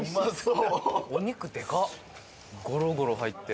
ゴロゴロ入って。